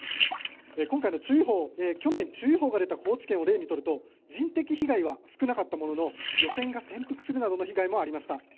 今回の注意報去年、注意報が出た高知県を例に見ると人的被害は少なかったものの漁船が転覆するなどの被害もありました。